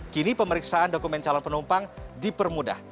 kini pemeriksaan dokumen calon penumpang dipermudah